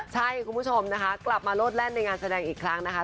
ใช่คุณผู้ชมนะคะกลับมาโลดแล่นในงานแสดงอีกครั้งนะคะ